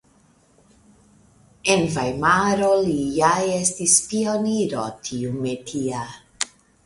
En Vajmaro li ja estis pioniro tiumetia.